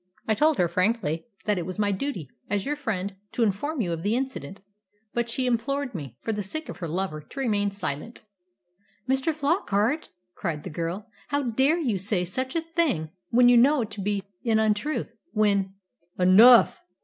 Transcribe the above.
I fold her frankly that it was my duty, as your friend, to inform you of the incident; but she implored me, for the sake of her lover, to remain silent." "Mr. Flockart!" cried the girl, "how dare you say such a thing when you know it to be an untruth; when " "Enough!"